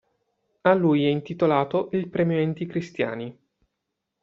A lui è intitolato il Premio Eddy Christiani.